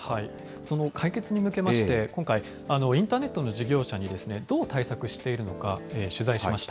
その解決に向けまして、今回、インターネットの事業者にどう対策しているのか、取材しました。